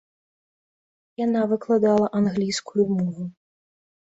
Яна выкладала англійскую мову.